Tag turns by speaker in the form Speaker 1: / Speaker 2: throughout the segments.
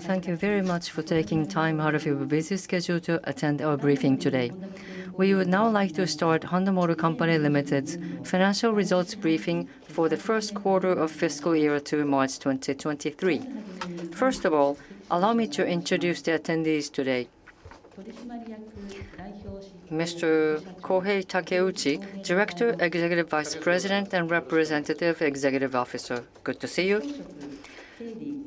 Speaker 1: Thank you very much for taking time out of your busy schedule to attend our briefing today. We would now like to start Honda Motor Co., Ltd.'s financial results briefing for the first quarter of fiscal year to March 2023. First of all, allow me to introduce the attendees today. Mr. Kohei Takeuchi, Director, Executive Vice President and Representative Executive Officer. Good to see you.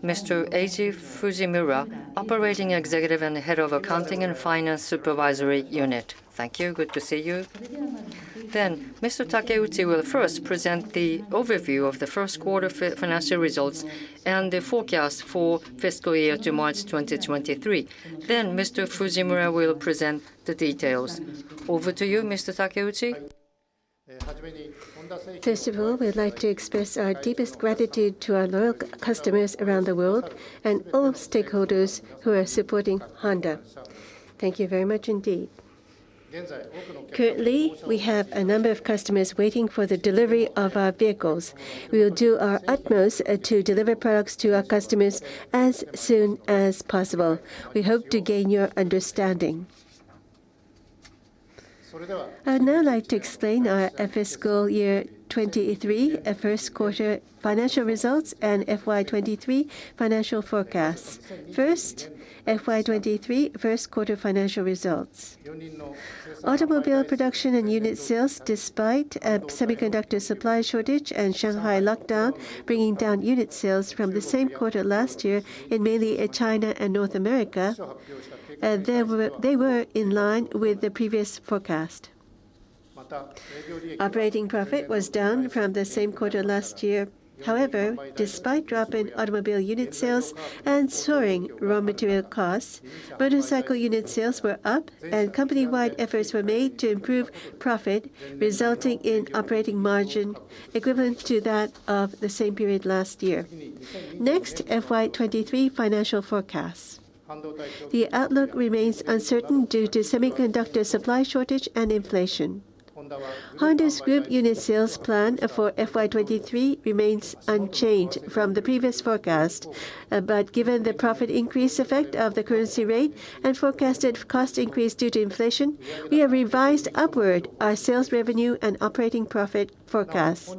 Speaker 1: Mr. Eiji Fujimura, Operating Executive and Head of Accounting and Finance Supervisory Unit. Thank you. Good to see you. Mr Takeuchi will first present the overview of the first quarter financial results and the forecast for fiscal year to March 2023. Mr Fujimura will present the details. Over to you, Mr Takeuchi.
Speaker 2: First of all, we'd like to express our deepest gratitude to our loyal customers around the world and all stakeholders who are supporting Honda. Thank you very much indeed. Currently, we have a number of customers waiting for the delivery of our vehicles. We will do our utmost to deliver products to our customers as soon as possible. We hope to gain your understanding. I'd now like to explain our fiscal year 2023 first quarter financial results and FY23 financial forecasts. First, FY23 first quarter financial results. Automobile production and unit sales, despite a semiconductor supply shortage and Shanghai lockdown bringing down unit sales from the same quarter last year in mainly China and North America, they were in line with the previous forecast. Operating profit was down from the same quarter last year. However, despite drop in automobile unit sales and soaring raw material costs, motorcycle unit sales were up and company-wide efforts were made to improve profit, resulting in operating margin equivalent to that of the same period last year. Next, FY23 financial forecasts. The outlook remains uncertain due to semiconductor supply shortage and inflation. Honda's group unit sales plan for FY23 remains unchanged from the previous forecast. But given the profit increase effect of the currency rate and forecasted cost increase due to inflation, we have revised upward our sales revenue and operating profit forecasts.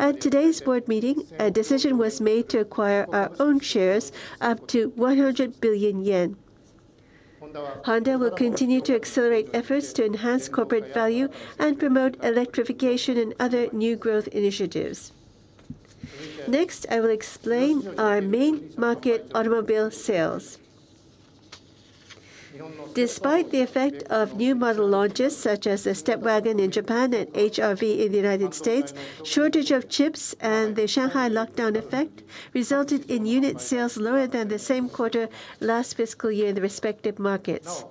Speaker 2: At today's board meeting, a decision was made to acquire our own shares up to 100 billion yen. Honda will continue to accelerate efforts to enhance corporate value and promote electrification and other new growth initiatives. Next, I will explain our main market automobile sales. Despite the effect of new model launches, such as the Step WGN in Japan and HR-V in the United States, shortage of chips and the Shanghai lockdown effect resulted in unit sales lower than the same quarter last fiscal year in the respective markets.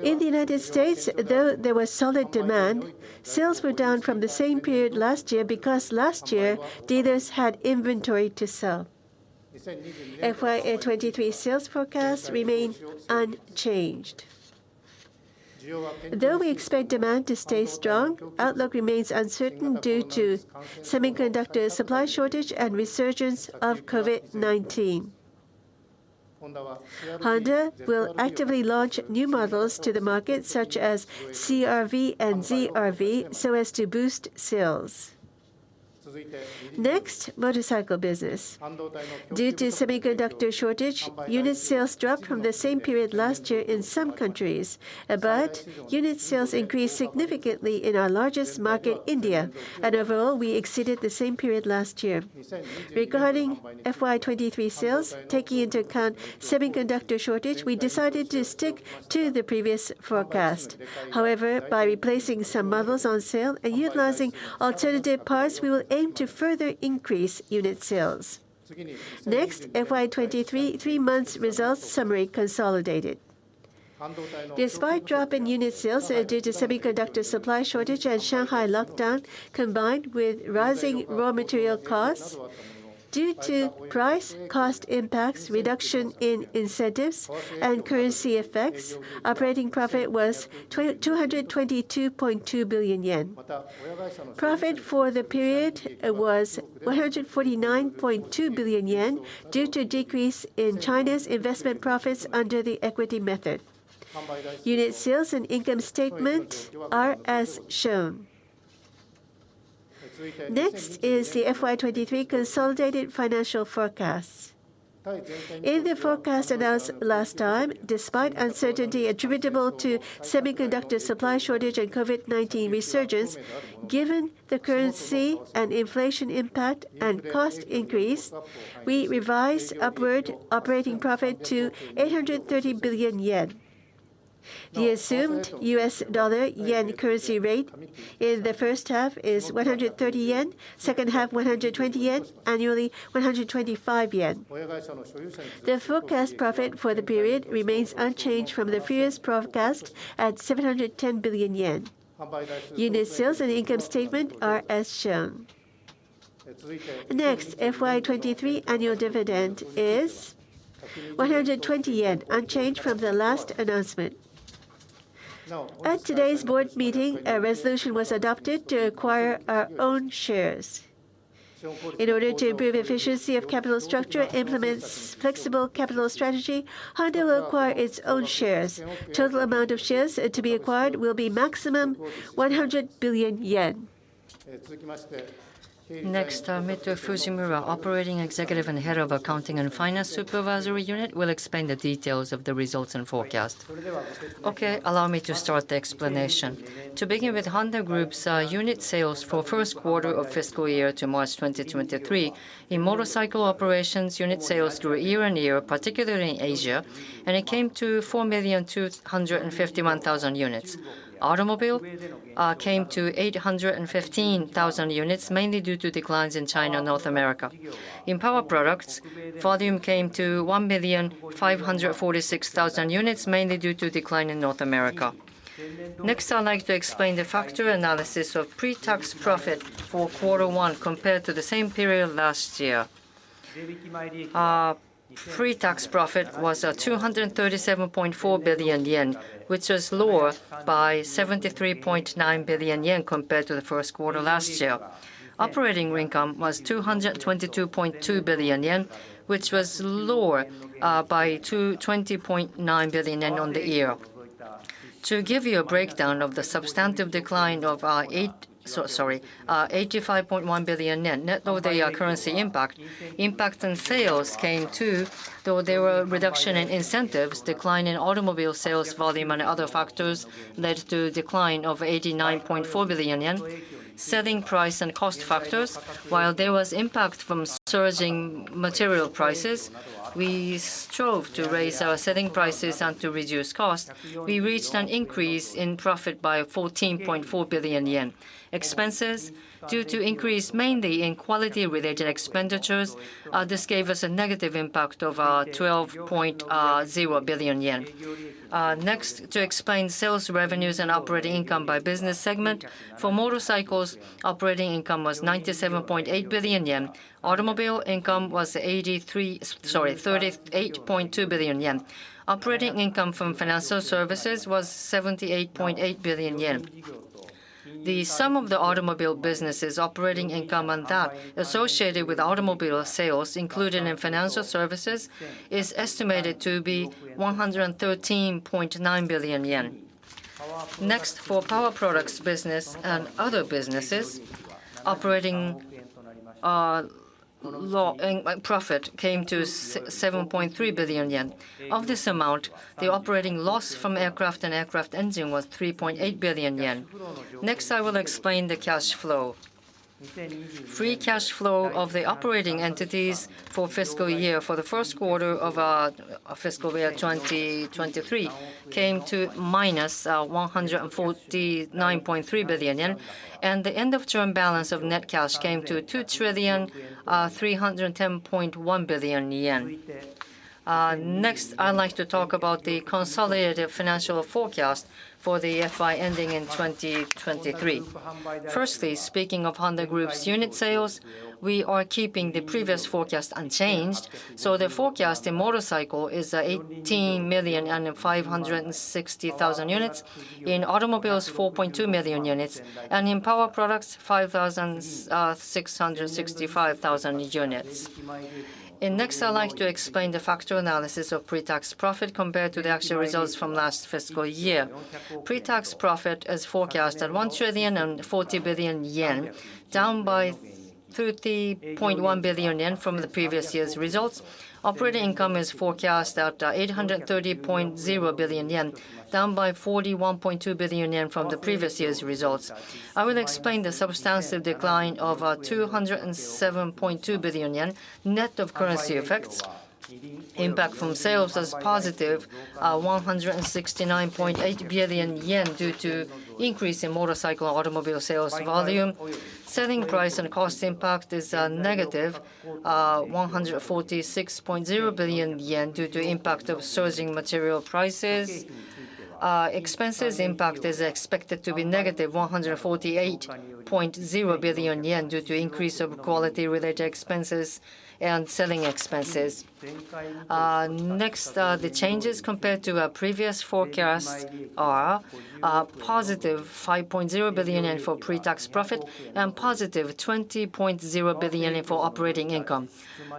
Speaker 2: In the United States, though there was solid demand, sales were down from the same period last year because last year, dealers had inventory to sell. FY23 sales forecasts remain unchanged. Though we expect demand to stay strong, outlook remains uncertain due to semiconductor supply shortage and resurgence of COVID-19. Honda will actively launch new models to the market, such as CR-V and ZR-V, so as to boost sales. Next, motorcycle business. Due to semiconductor shortage, unit sales dropped from the same period last year in some countries. Unit sales increased significantly in our largest market, India, and overall, we exceeded the same period last year. Regarding FY23 sales, taking into account semiconductor shortage, we decided to stick to the previous forecast. However, by replacing some models on sale and utilizing alternative parts, we will aim to further increase unit sales. Next, FY23 three-month results summary consolidated. Despite drop in unit sales due to semiconductor supply shortage and Shanghai lockdown, combined with rising raw material costs, due to price cost impacts, reduction in incentives and currency effects, operating profit was 222.2 billion yen. Profit for the period was 149.2 billion yen due to decrease in China's investment profits under the equity method. Unit sales and income statement are as shown. Next is the FY23 consolidated financial forecasts. In the forecast announced last time, despite uncertainty attributable to semiconductor supply shortage and COVID-19 resurgence, given the currency and inflation impact and cost increase, we revised upward operating profit to 830 billion yen. The assumed US dollar/yen currency rate in the first half is 130 yen, second half 120 yen, annually 125 yen. The forecast profit for the period remains unchanged from the previous forecast at 710 billion yen. Unit sales and income statement are as shown. Next, FY23 annual dividend is 120 yen, unchanged from the last announcement. At today's board meeting, a resolution was adopted to acquire our own shares. In order to improve efficiency of capital structure, implement a flexible capital strategy, Honda will acquire its own shares. Total amount of shares to be acquired will be maximum 100 billion yen.
Speaker 1: Next, Eiji Fujimura, Operating Executive and Head of Accounting and Finance Supervisory Unit, will explain the details of the results and forecast.
Speaker 3: Okay. Allow me to start the explanation. To begin with, Honda Group's unit sales for first quarter of fiscal year to March 2023, in motorcycle operations, unit sales grew year-on-year, particularly in Asia, and it came to 4,251,000 units. Automobile came to 815,000 units, mainly due to declines in China and North America. In power products, volume came to 1,546,000 units, mainly due to decline in North America. Next, I'd like to explain the factor analysis of pre-tax profit for quarter one compared to the same period last year. Pre-tax profit was 237.4 billion yen, which was lower by 73.9 billion yen compared to the first quarter last year. Operating income was 222.2 billion yen, which was lower by 20.9 billion yen year-on-year. To give you a breakdown of the substantive decline of eight. 85.1 billion yen net of the currency impact on sales came to, though there were reduction in incentives, decline in automobile sales volume and other factors led to decline of 89.4 billion yen. Selling price and cost factors, while there was impact from surging material prices, we strove to raise our selling prices and to reduce cost. We reached an increase in profit by 14.4 billion yen. Expenses, due to increase mainly in quality related expenditures, this gave us a negative impact of 12.0 billion yen. Next, to explain sales revenues and operating income by business segment. For motorcycles, operating income was 97.8 billion yen. Automobile income was 38.2 billion yen. Operating income from financial services was 78.8 billion yen. The sum of the automobile business' operating income and that associated with automobile sales, including in financial services, is estimated to be 113.9 billion yen. Next, for power products business and other businesses, operating profit came to 7.3 billion yen. Of this amount, the operating loss from aircraft and aircraft engine was 3.8 billion yen. Next, I will explain the cash flow. Free cash flow of the operating entities for the first quarter of fiscal year 2023 came to -149.3 billion yen. The end of term balance of net cash came to 2,310.1 billion yen. Next, I'd like to talk about the consolidated financial forecast for the FY ending in 2023. Firstly, speaking of Honda Group's unit sales, we are keeping the previous forecast unchanged. The forecast in motorcycle is 18,560,000 units. In automobiles, 4.2 million units. In power products, 5,665,000 units. Next, I'd like to explain the factor analysis of pre-tax profit compared to the actual results from last fiscal year. Pre-tax profit is forecast at 1.04 trillion, down by 30.1 billion yen from the previous year's results. Operating income is forecast at 830.0 billion yen, down by 41.2 billion yen from the previous year's results. I will explain the substantive decline of 207.2 billion yen, net of currency effects. Impact from sales is positive 169.8 billion yen due to increase in motorcycle and automobile sales volume. Selling price and cost impact is -146.0 billion yen due to impact of surging material prices. Expenses impact is expected to be -148.0 billion yen due to increase of quality related expenses and selling expenses. Next, the changes compared to our previous forecasts are +5.0 billion yen for pre-tax profit and +20.0 billion yen for operating income.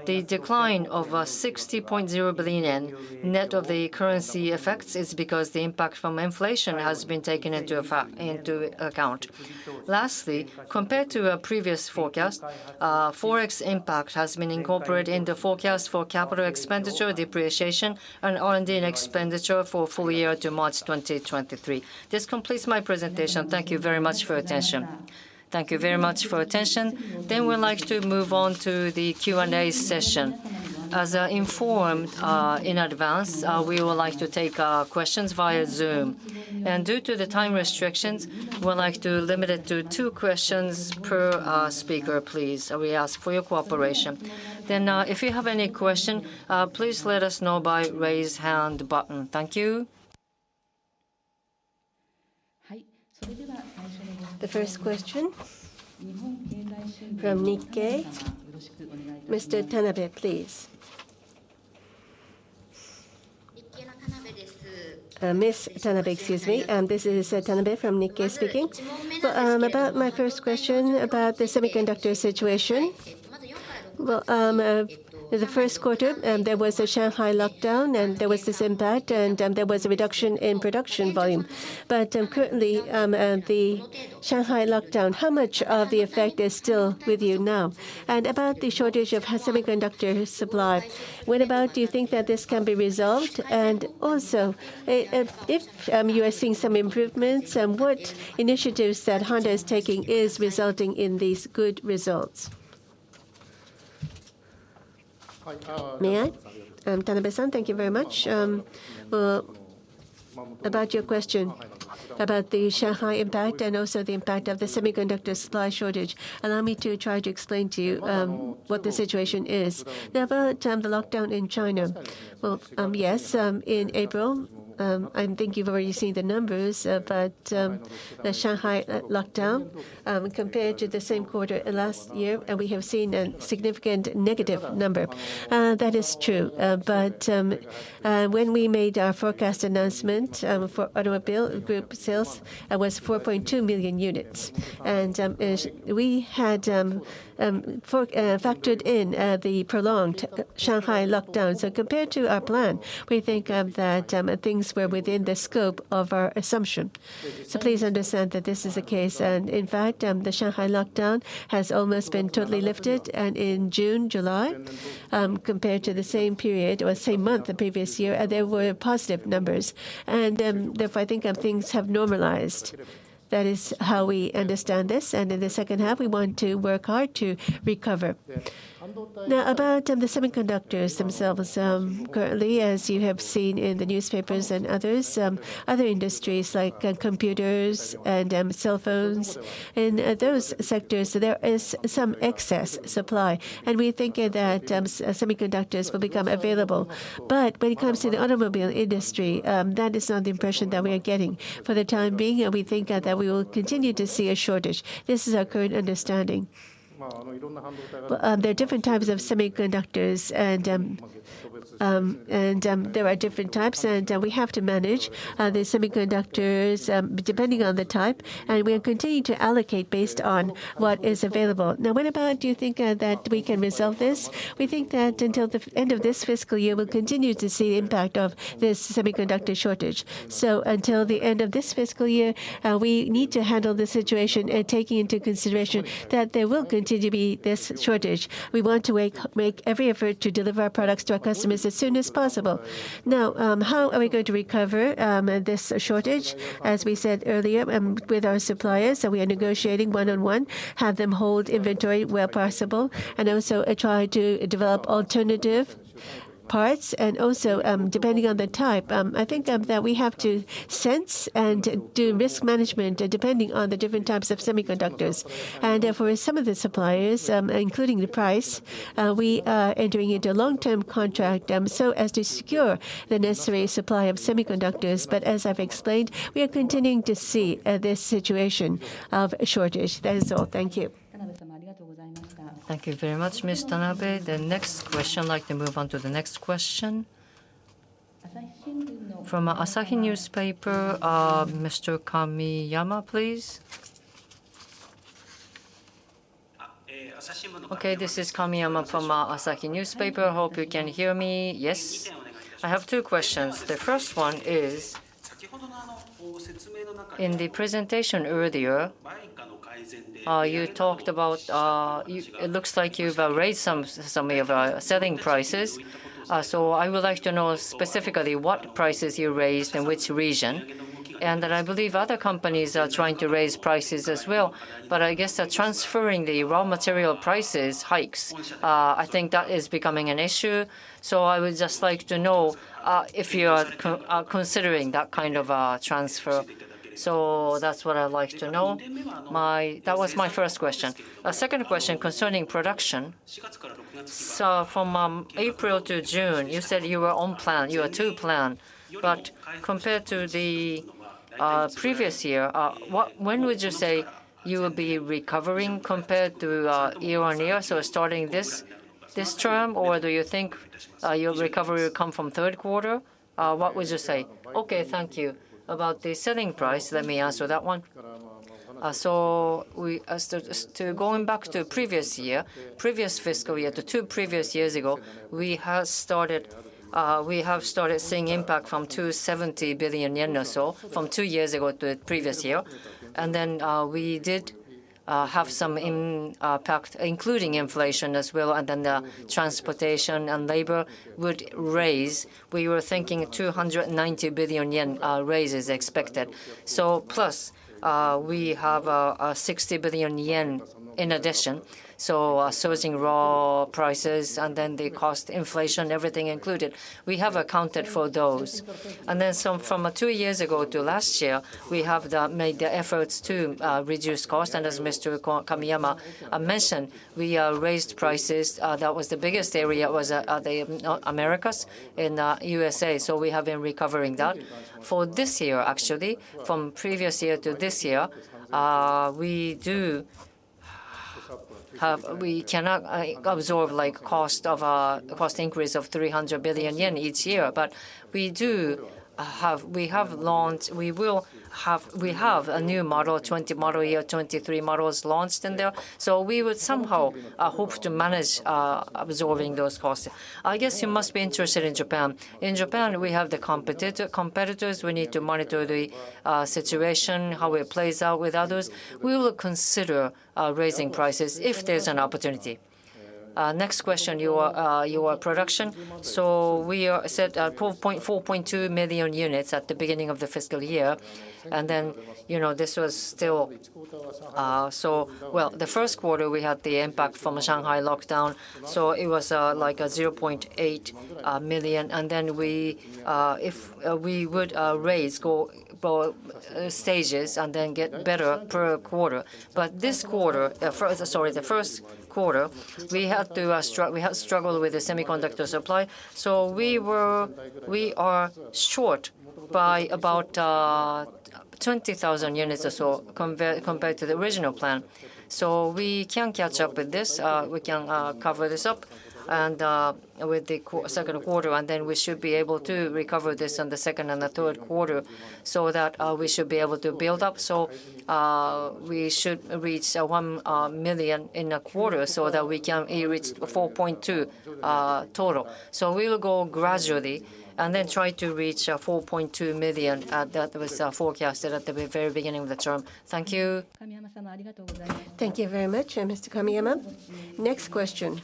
Speaker 3: The decline of 60.0 billion yen, net of the currency effects, is because the impact from inflation has been taken into account. Lastly, compared to our previous forecast, Forex impact has been incorporated in the forecast for capital expenditure, depreciation and R&D expenditure for full year to March 2023. This completes my presentation. Thank you very much for attention. Thank you very much for attention. We'd like to move on to the Q&A session. As informed in advance, we would like to take questions via Zoom. Due to the time restrictions, we'd like to limit it to two questions per speaker, please. We ask for your cooperation. If you have any question, please let us know by Raise Hand button. Thank you.
Speaker 1: The first question from Nikkei. Mr. Tanabe, please.
Speaker 4: Ms. Tanabe, excuse me. This is Tanabe from Nikkei speaking. Well, about my first question about the semiconductor situation. Well, the first quarter, there was a Shanghai lockdown, and there was this impact, and there was a reduction in production volume. Currently, the Shanghai lockdown, how much of the effect is still with you now? And about the shortage of semiconductor supply, when about do you think that this can be resolved? And also, if you are seeing some improvements, what initiatives that Honda is taking is resulting in these good results?
Speaker 2: May I? Tanabe-san, thank you very much. Well, about your question about the Shanghai impact and also the impact of the semiconductor supply shortage, allow me to try to explain to you what the situation is. Now, about the lockdown in China. Well, yes, in April, I think you've already seen the numbers, but the Shanghai lockdown, compared to the same quarter last year, we have seen a significant negative number. That is true. When we made our forecast announcement for automobile group sales, it was 4.2 million units. As we had factored in the prolonged Shanghai lockdown. Compared to our plan, we think that things were within the scope of our assumption. Please understand that this is the case. In fact, the Shanghai lockdown has almost been totally lifted. In June, July, compared to the same period or same month the previous year, there were positive numbers. Therefore, I think things have normalized. That is how we understand this. In the second half, we want to work hard to recover. Now, about the semiconductors themselves. Currently, as you have seen in the newspapers and others, other industries like computers and cell phones, in those sectors there is some excess supply. We're thinking that semiconductors will become available. When it comes to the automobile industry, that is not the impression that we are getting. For the time being, we think that we will continue to see a shortage. This is our current understanding. There are different types of semiconductors, and we have to manage the semiconductors depending on the type. We are continuing to allocate based on what is available. Now, when do you think that we can resolve this? We think that until the end of this fiscal year, we'll continue to see impact of this semiconductor shortage. Until the end of this fiscal year, we need to handle the situation taking into consideration that there will continue to be this shortage. We want to make every effort to deliver our products to our customers as soon as possible. Now, how are we going to recover this shortage? As we said earlier, with our suppliers, so we are negotiating one-on-one, have them hold inventory where possible, and also try to develop alternative parts. Depending on the type, I think, that we have to sense and do risk management depending on the different types of semiconductors. For some of the suppliers, including the price, we are entering into a long-term contract, so as to secure the necessary supply of semiconductors. As I've explained, we are continuing to see this situation of shortage. That is all. Thank you.
Speaker 1: Thank you very much, Ms. Tanabe. The next question, I'd like to move on to the next question. From Asahi Shimbun, Mr. Kamiyama, please. Okay. This is Kamiyama from Asahi Shimbun. Hope you can hear me.
Speaker 5: Yes. I have two questions. The first one is, in the presentation earlier, you talked about. It looks like you've raised some of selling prices. I would like to know specifically what prices you raised in which region. I believe other companies are trying to raise prices as well, but I guess transferring the raw material price hikes, I think that is becoming an issue. I would just like to know if you are considering that kind of transfer. That's what I would like to know. That was my first question. A second question concerning production. From April to June, you said you were on plan. Compared to the previous year, when would you say you will be recovering compared to year on year? Starting this term, or do you think your recovery will come from third quarter? What would you say?
Speaker 3: Okay, thank you. About the selling price, let me answer that one. As to going back to previous year, previous fiscal year, the two previous years ago, we have started seeing impact from 270 billion yen or so from two years ago to previous year. We did have some impact, including inflation as well, and then the transportation and labor would raise. We were thinking 290 billion yen raise is expected. Plus, we have 60 billion yen in addition. Soaring raw prices and then the cost inflation, everything included. We have accounted for those. From two years ago to last year, we have made the efforts to reduce cost. As Mr. Kamiyama mentioned, we raised prices. That was the biggest area, the Americas, in USA. We have been recovering that. For this year, actually, from previous year to this year, we do ex- We cannot absorb the cost increase of 300 billion yen each year. We do have a new model, 2023 model year, 23 models launched in there. We would somehow hope to manage absorbing those costs. I guess you must be interested in Japan. In Japan, we have the competitors. We need to monitor the situation, how it plays out with others. We will consider raising prices if there's an opportunity. Next question, your production. We are set at 4.2 million units at the beginning of the fiscal year. You know, this was still. Well, the first quarter we had the impact from the Shanghai lockdown, so it was like 0.8 million. We would raise in stages and then get better per quarter. In the first quarter, we had to struggle with the semiconductor supply. We are short by about 20,000 units or so compared to the original plan. We can catch up with this. We can make up for this with the second quarter, and then we should be able to recover this on the second and the third quarter so that we should be able to build up. We should reach 1 million in a quarter so that we can reach 4.2 total. We will go gradually and then try to reach 4.2 million that was forecasted at the very beginning of the term. Thank you.
Speaker 1: Thank you very much, Mr. Kamiyama. Next question.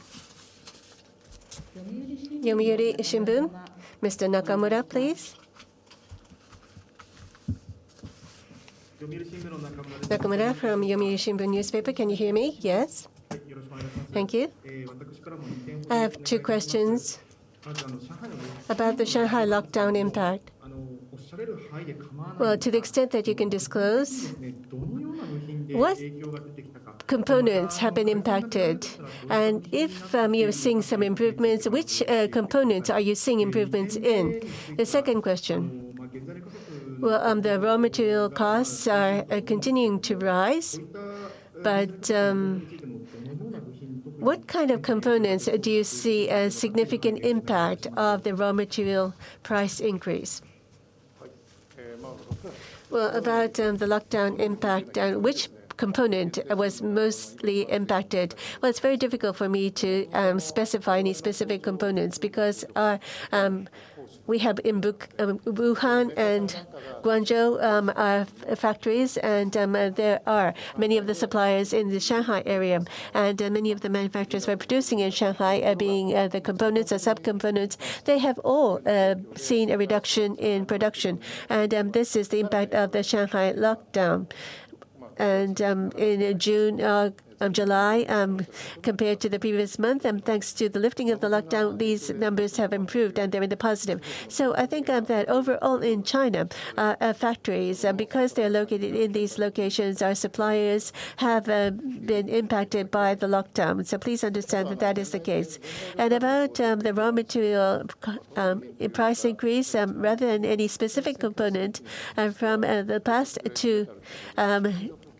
Speaker 1: The Yomiuri Shimbun, Mr. Nakamura, please. Nakamura from Yomiuri Shimbun Newspaper. Can you hear me?
Speaker 6: Yes? Thank you. I have two questions. About the Shanghai lockdown impact, well, to the extent that you can disclose, what components have been impacted? If you're seeing some improvements, which components are you seeing improvements in? The second question. Well, the raw material costs are continuing to rise, but what kind of components do you see a significant impact of the raw material price increase?
Speaker 3: Well, about the lockdown impact and which component was mostly impacted, well, it's very difficult for me to specify any specific components. Because we have in Wuhan and Guangzhou factories, and there are many of the suppliers in the Shanghai area. Many of the manufacturers were producing in Shanghai, being the components or sub-components. They have all seen a reduction in production, and this is the impact of the Shanghai lockdown. In June, July, compared to the previous month, and thanks to the lifting of the lockdown, these numbers have improved and they're in the positive. I think that overall in China factories, because they're located in these locations, our suppliers have been impacted by the lockdown. Please understand that that is the case. About the raw material price increase, rather than any specific component, from the past 2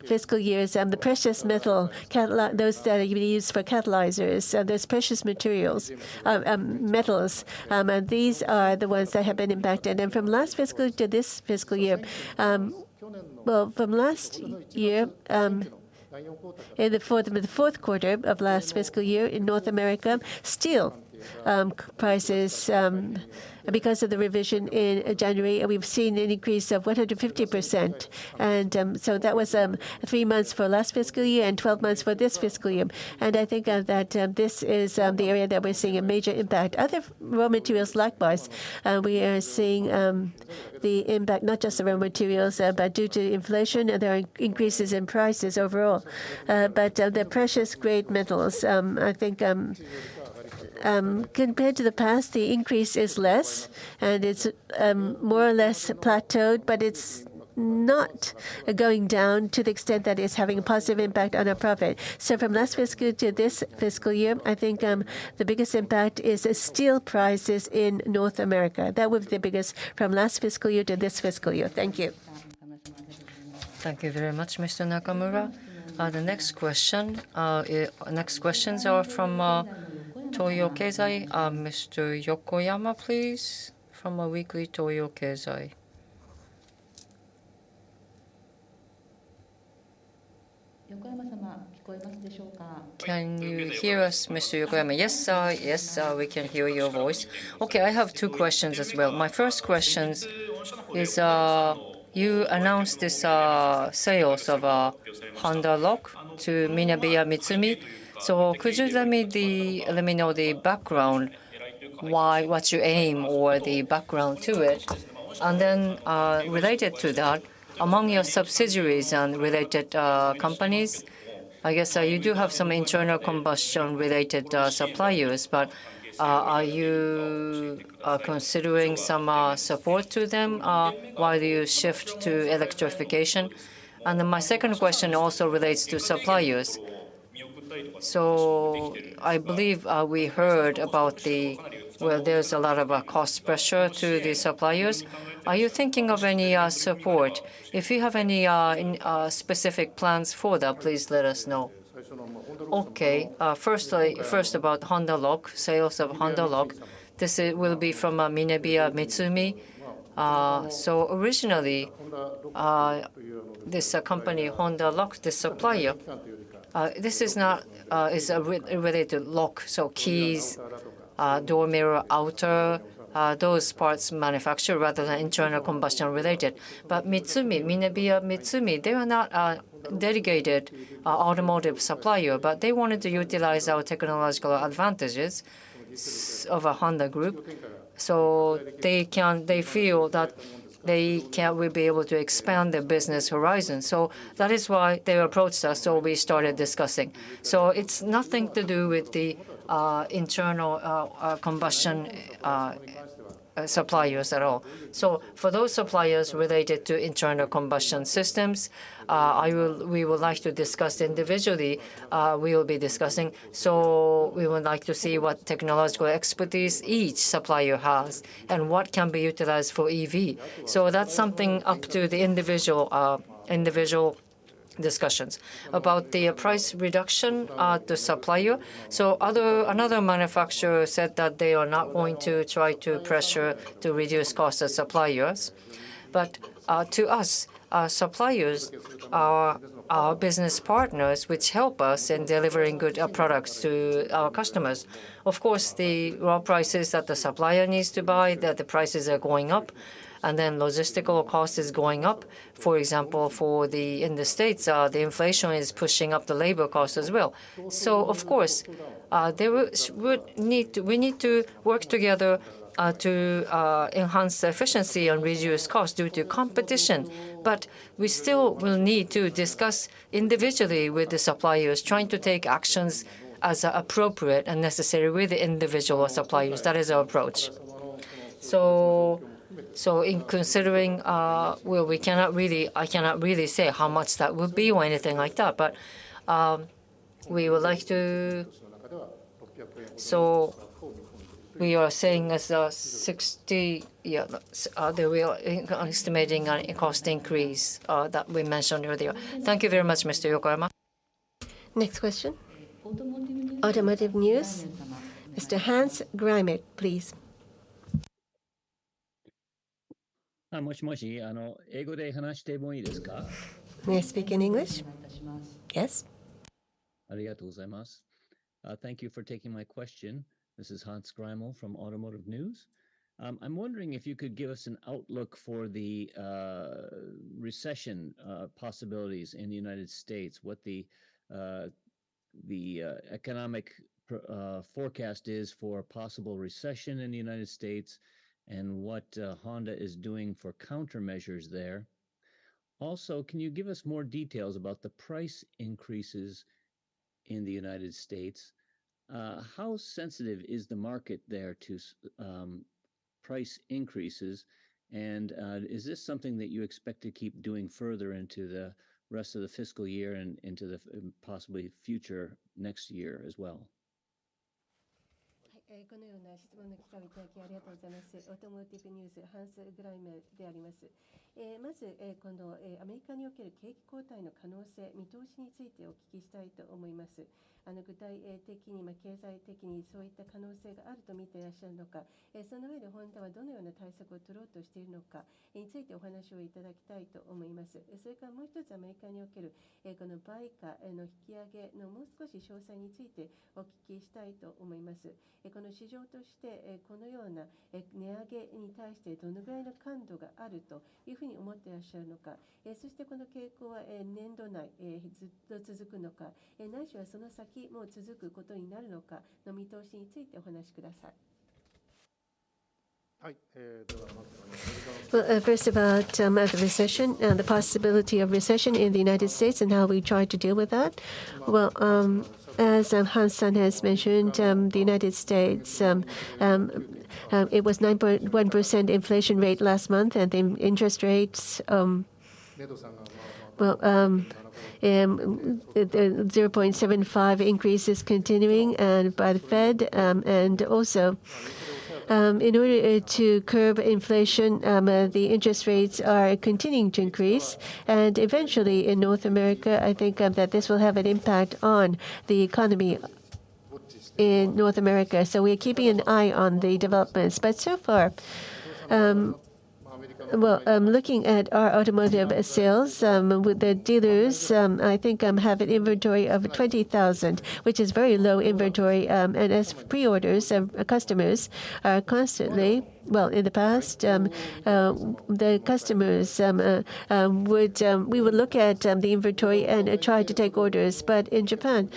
Speaker 3: fiscal years, the precious metal catalysts, those that are gonna use for catalysts, those precious metals, these are the ones that have been impacted. From last fiscal to this fiscal year. Well, from last year, in the fourth quarter of last fiscal year in North America, steel prices, because of the revision in January, we've seen an increase of 150%. That was 3 months for last fiscal year and 12 months for this fiscal year. I think that this is the area that we're seeing a major impact. Other raw materials likewise, we are seeing the impact, not just the raw materials, but due to inflation, there are increases in prices overall. The precious metals, I think, compared to the past, the increase is less and it's more or less plateaued, but it's not going down to the extent that it's having a positive impact on our profit. From last fiscal to this fiscal year, I think, the biggest impact is the steel prices in North America. That was the biggest from last fiscal year to this fiscal year. Thank you.
Speaker 1: Thank you very much, Mr. Nakamura. The next questions are from Toyo Keizai. Mr. Yokoyama, please, from Weekly Toyo Keizai. Can you hear us, Mr. Yokoyama?
Speaker 7: Yes, yes, we can hear your voice. Okay, I have two questions as well. My first questions is, you announced this sales of Honda Lock to MinebeaMitsumi. Could you tell me the, let me know the background why, what's your aim or the background to it? Then, related to that, among your subsidiaries and related companies, I guess, you do have some internal combustion related suppliers, but, are you considering some support to them while you shift to electrification? Then my second question also relates to suppliers. I believe we heard about the cost pressure to the suppliers. Are you thinking of any support? If you have any specific plans for that, please let us know.
Speaker 3: Okay. First about Honda Lock sales. This will be from MinebeaMitsumi. Originally this company, Honda Lock, the supplier, this is not a engine-related lock. Keys, door mirror outer, those parts manufacture rather than internal combustion related. MinebeaMitsumi, they are not a dedicated automotive supplier, but they wanted to utilize our technological advantages of Honda Group, so they can. They feel that they will be able to expand their business horizon. That is why they approached us, so we started discussing. It's nothing to do with the internal combustion suppliers at all. For those suppliers related to internal combustion systems, we would like to discuss individually. We will be discussing. We would like to see what technological expertise each supplier has and what can be utilized for EV. That's something up to the individual discussions. About the price reduction, the supplier. Another manufacturer said that they are not going to try to pressure to reduce cost to suppliers. To us, our suppliers are our business partners which help us in delivering good products to our customers. Of course, the raw prices that the supplier needs to buy, that the prices are going up, and then logistical cost is going up. For example, in the States, the inflation is pushing up the labor cost as well. Of course, we need to work together to enhance efficiency and reduce cost due to competition. We still will need to discuss individually with the suppliers, trying to take actions as appropriate and necessary with the individual suppliers. That is our approach. In considering, I cannot really say how much that would be or anything like that. We would like to. We are saying as 60 that we are estimating a cost increase that we mentioned earlier.
Speaker 1: Thank you very much, Mr. Yokohama. Next question. Automotive News. Mr. Hans Greimel, please.
Speaker 8: May I speak in English?
Speaker 2: Yes.
Speaker 8: Thank you for taking my question. This is Hans Greimel from Automotive News. I'm wondering if you could give us an outlook for the recession possibilities in the United States, what the economic forecast is for a possible recession in the United States, and what Honda is doing for countermeasures there. Also, can you give us more details about the price increases in the United States? How sensitive is the market there to price increases? And is this something that you expect to keep doing further into the rest of the fiscal year and into the future, possibly next year as well?
Speaker 3: Well, first about the recession, the possibility of recession in the United States and how we try to deal with that. Well, as Hans Greimel has mentioned, the United States it was 9.1% inflation rate last month, and the interest rates, well, the 0.75 increase is continuing by the Fed. Also, in order to curb inflation, the interest rates are continuing to increase. Eventually in North America, I think that this will have an impact on the economy in North America. We're keeping an eye on the developments. So far, well, looking at our automotive sales with the dealers, I think have an inventory of 20,000, which is very low inventory. And as pre-orders of customers are constantly... Well, in the past, we would look at the inventory and try to take orders. In Japan,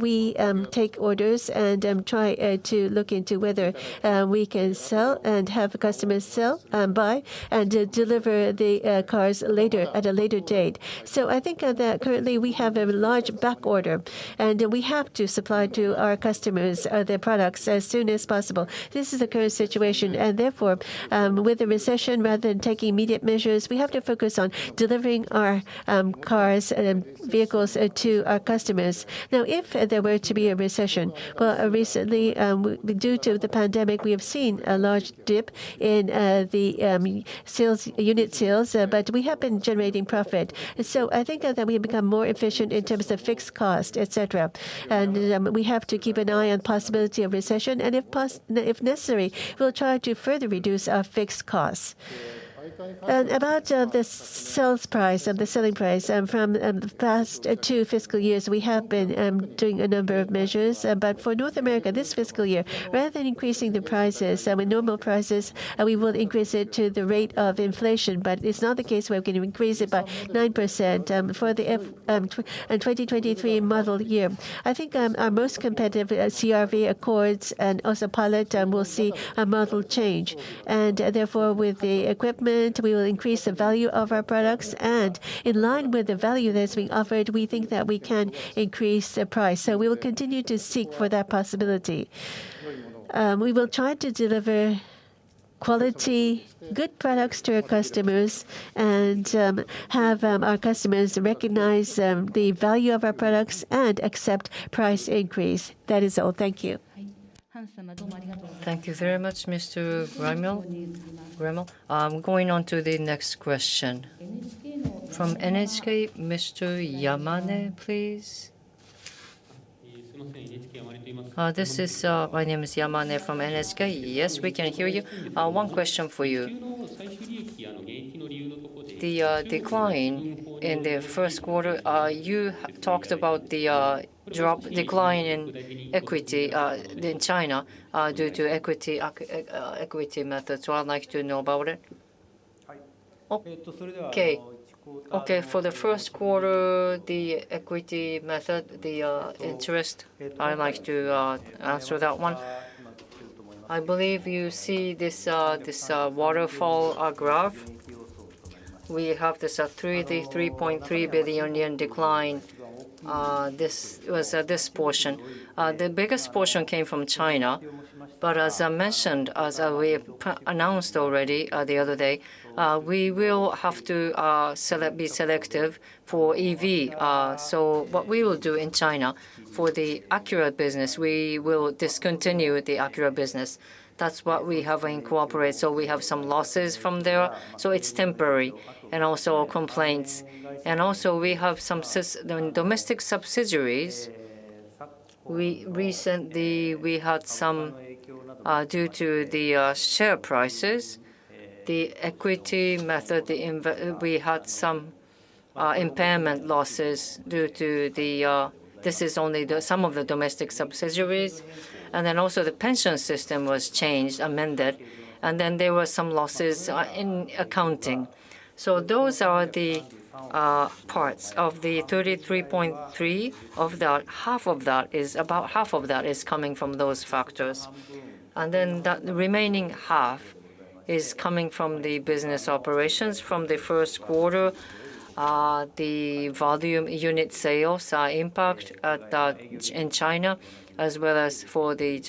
Speaker 3: we take orders and try to look into whether we can sell and have customers buy and deliver the cars later, at a later date. I think that currently we have a large back order, and we have to supply to our customers their products as soon as possible. This is the current situation, and therefore, with the recession, rather than taking immediate measures, we have to focus on delivering our cars and vehicles to our customers. Now, if there were to be a recession, recently, due to the pandemic, we have seen a large dip in the sales, unit sales, but we have been generating profit. I think that we have become more efficient in terms of fixed cost, et cetera. We have to keep an eye on possibility of recession, and if necessary, we'll try to further reduce our fixed costs. About the sales price, the selling price, from the past two fiscal years, we have been doing a number of measures. For North America this fiscal year, rather than increasing the prices, our normal prices, we will increase it to the rate of inflation. It's not the case we're going to increase it by 9% for the FY23 model year. I think, our most competitive, CR-V, Accord and also Pilot, will see a model change. Therefore, with the equipment, we will increase the value of our products. In line with the value that is being offered, we think that we can increase the price. We will continue to seek for that possibility. We will try to deliver quality, good products to our customers, and have our customers recognize the value of our products and accept price increase. That is all. Thank you.
Speaker 1: Thank you very much, Mr. Greimel. Going on to the next question. From NHK, Mr. Yamane, please.
Speaker 9: My name is Yamane from NHK. Yes, we can hear you. One question for you. The decline in the first quarter, you talked about the decline in equity in China due to equity methods. I'd like to know about it.
Speaker 3: Okay. For the first quarter, the equity method, the interest, I'd like to answer that one. I believe you see this waterfall graph. We have this 33.3 billion yen decline. This was this portion. The biggest portion came from China. As I mentioned, we've announced already the other day, we will have to be selective for EV. What we will do in China, for the Acura business, we will discontinue the Acura business. That's what we have in cooperation, so we have some losses from there. It's temporary, and also compliance. We also have some domestic subsidiaries. We recently had some impairment losses due to the share prices, the equity method. This is only some of the domestic subsidiaries. Then the pension system was changed, amended, and there were some losses in accounting. Those are the parts. Of the 33.3 billion, about half of that is coming from those factors. That remaining half is coming from the business operations. From the first quarter, the volume unit sales are impacted in China, as well as in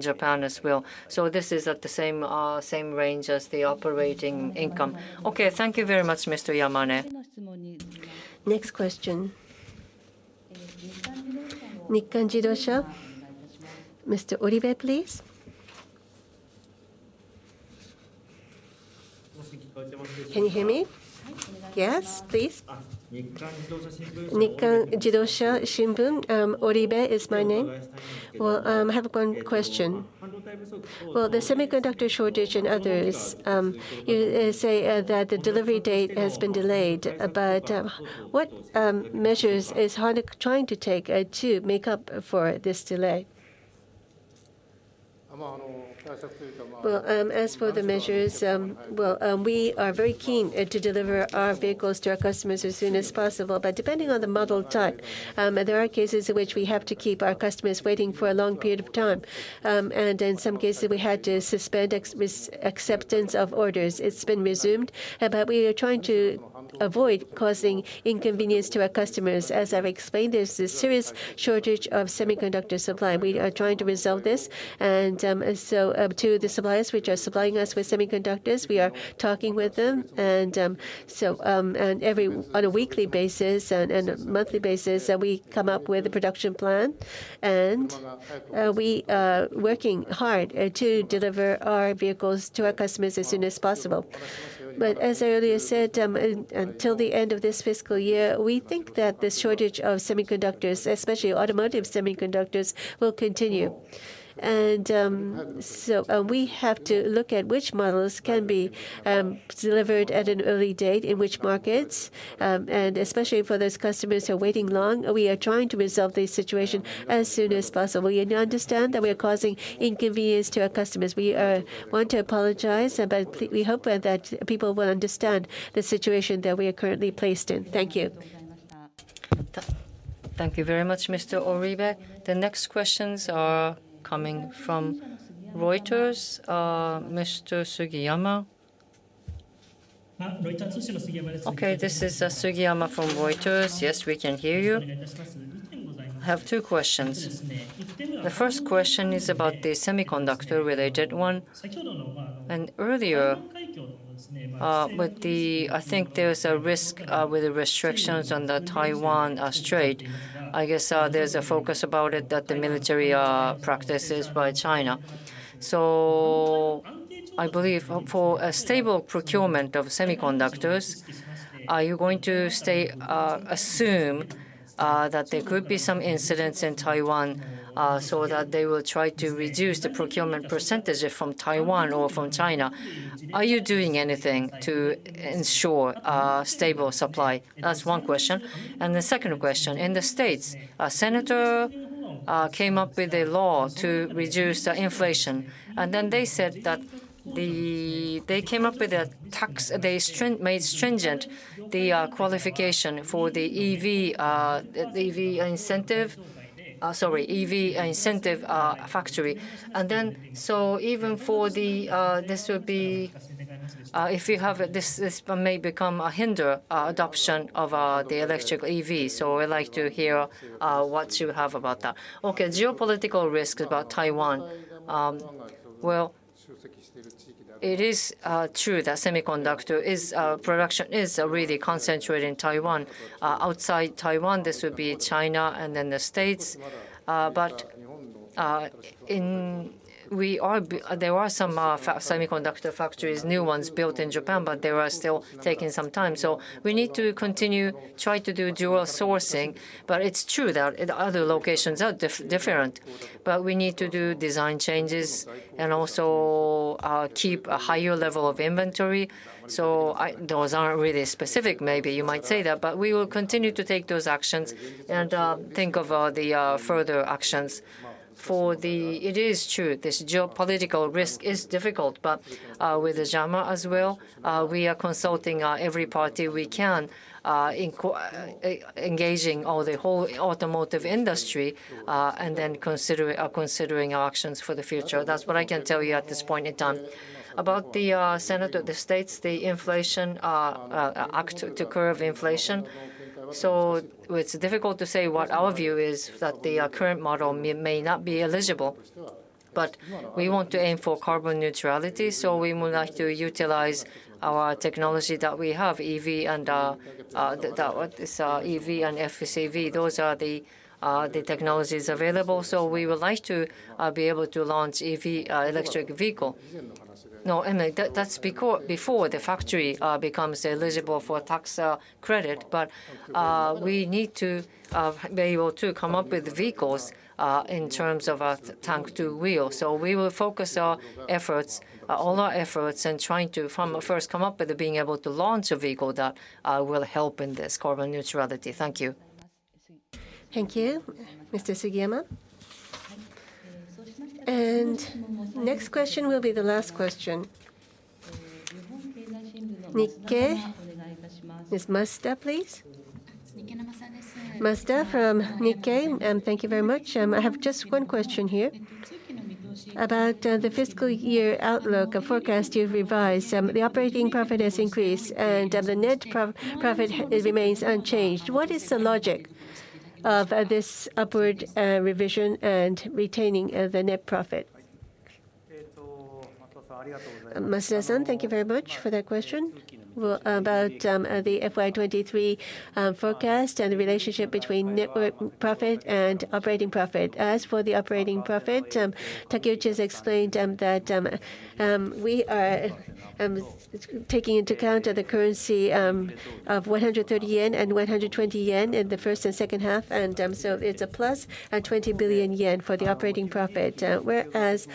Speaker 3: Japan. This is at the same range as the operating income.
Speaker 1: Okay, thank you very much, Mr. Yamane. Next question. Nikkan Jidosha. Mr. Oribe, please.
Speaker 10: Can you hear me?
Speaker 1: Yes, please.
Speaker 10: Nikkan Jidosha Shimbun. Oribe is my name. Well, I have one question. Well, the semiconductor shortage and others, you say that the delivery date has been delayed. What measures is Honda trying to take to make up for this delay?
Speaker 3: Well, as for the measures, well, we are very keen to deliver our vehicles to our customers as soon as possible. Depending on the model type, there are cases in which we have to keep our customers waiting for a long period of time. In some cases, we had to suspend acceptance of orders. It's been resumed. We are trying to avoid causing inconvenience to our customers. As I've explained, there's a serious shortage of semiconductor supply. We are trying to resolve this. To the suppliers which are supplying us with semiconductors, we are talking with them. On a weekly basis and a monthly basis, we come up with a production plan. We are working hard to deliver our vehicles to our customers as soon as possible. As I earlier said, until the end of this fiscal year, we think that the shortage of semiconductors, especially automotive semiconductors, will continue. We have to look at which models can be delivered at an early date in which markets. Especially for those customers who are waiting long, we are trying to resolve the situation as soon as possible. We understand that we are causing inconvenience to our customers. We want to apologize, but we hope that people will understand the situation that we are currently placed in. Thank you.
Speaker 1: Thank you very much, Mr. Oribe. The next questions are coming from Reuters. Mr. Sugiyama.
Speaker 11: Okay. This is Sugiyama from Reuters.
Speaker 3: Yes, we can hear you.
Speaker 11: I have two questions. The first question is about the semiconductor-related one. Earlier, with the, I think there's a risk with the restrictions on the Taiwan Strait. I guess there's a focus about it that the military practices by China. So I believe for a stable procurement of semiconductors, are you going to assume that there could be some incidents in Taiwan, so that they will try to reduce the procurement percentage from Taiwan or from China? Are you doing anything to ensure a stable supply? That's one question. The second question, in the States, a senator came up with the Inflation Reduction Act, and then they came up with a tax. They made stringent the qualification for the EV, the EV incentive. Sorry, EV incentive factory. This would be if you have this may become a hindrance adoption of the electric EV. I would like to hear what you have about that.
Speaker 3: Okay. Geopolitical risk about Taiwan. Well, it is true that semiconductor production is really concentrated in Taiwan. Outside Taiwan, this would be China and then the States. There are some semiconductor factories, new ones, built in Japan, but they are still taking some time. We need to continue, try to do dual sourcing. It is true that other locations are different. We need to do design changes and also keep a higher level of inventory. Those aren't really specific maybe, you might say that, but we will continue to take those actions and think of the further actions. It is true, this geopolitical risk is difficult. With JAMA as well, we are consulting every party we can, engaging the whole automotive industry, and then considering options for the future. That's what I can tell you at this point in time. About the Inflation Reduction Act to curb inflation, so it's difficult to say what our view is, that the current model may not be eligible. We want to aim for carbon neutrality, so we would like to utilize our technology that we have, EV and FCEV. Those are the technologies available. So we would like to be able to launch EV, electric vehicle. That's before the factory becomes eligible for tax credit. We need to be able to come up with vehicles in terms of tank-to-wheel. We will focus our efforts, all our efforts in trying to from first come up with being able to launch a vehicle that will help in this carbon neutrality. Thank you.
Speaker 1: Thank you, Mr. Sugiyama. Next question will be the last question. Nikkei. Ms. Masta, please.
Speaker 12: Masta from Nikkei, and thank you very much. I have just one question here. About the fiscal year outlook forecast you've revised, the operating profit has increased and the net profit remains unchanged. What is the logic of this upward revision and retaining of the net profit?
Speaker 3: Masta-san, thank you very much for that question. Well, about the FY23 forecast and the relationship between net profit and operating profit. As for the operating profit, Takeuchi has explained that we are taking into account of the currency of 130 yen and 120 yen in the first and second half. It's a plus 20 billion yen for the operating profit. Whereas,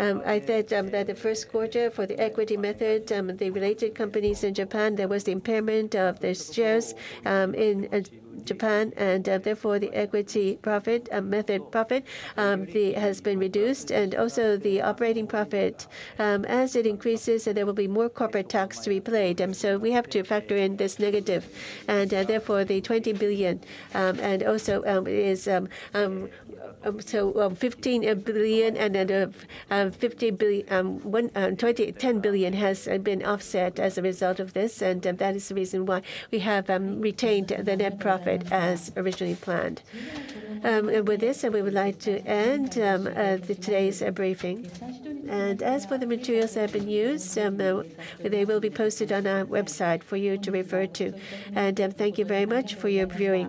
Speaker 3: I said that the first quarter for the equity method, the related companies in Japan, there was the impairment of their shares in Japan, and therefore, the equity method profit has been reduced. Also the operating profit, as it increases, there will be more corporate tax to be paid. We have to factor in this negative and therefore the 20 billion and also 15 billion and then of 15 billion, 10 billion has been offset as a result of this. That is the reason why we have retained the net profit as originally planned. With this, we would like to end today's briefing. As for the materials that have been used, they will be posted on our website for you to refer to. Thank you very much for your viewing.